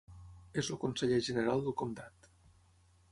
És el Conseller General del Comtat.